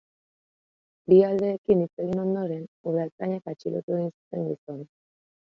Bi aldeekin hitz egin ondoren, udaltzainek atxilotu egin zuten gizona.